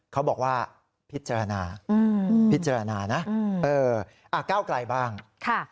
เขาบอกว่าพิจารณาพิจารณานะเอออ่าก้าวไกลบ้างค่ะ